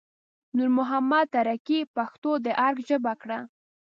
نور محمد تره کي پښتو د ارګ ژبه کړه